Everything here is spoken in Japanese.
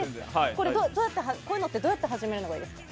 こういうのってどうやって始めるんですか。